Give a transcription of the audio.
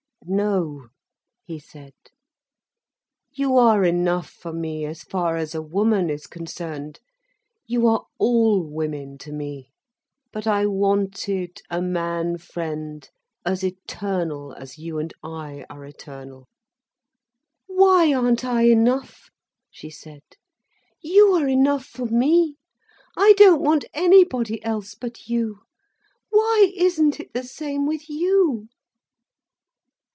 "No," he said. "You are enough for me, as far as a woman is concerned. You are all women to me. But I wanted a man friend, as eternal as you and I are eternal." "Why aren't I enough?" she said. "You are enough for me. I don't want anybody else but you. Why isn't it the same with you?"